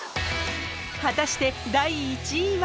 果たして第１位は？